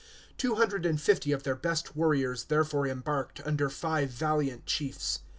Two hundred and fifty of their best warriors therefore embarked, under five valiant chiefs.